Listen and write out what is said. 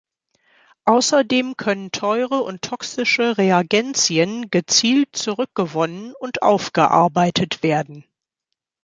Außerdem können teure und toxische Reagenzien gezielt zurückgewonnen und aufgearbeitet werden.